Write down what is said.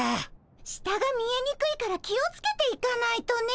下が見えにくいから気を付けて行かないとね。